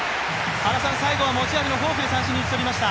最後は持ち味のフォークで三振に打ち取りました。